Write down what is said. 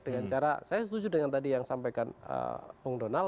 dengan cara saya setuju dengan tadi yang sampaikan pung donal